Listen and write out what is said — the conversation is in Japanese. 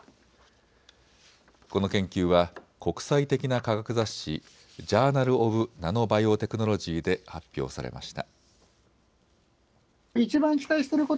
この研究は国際的な科学雑誌、ジャーナルオブナノバイオテクノロジーで発表されました。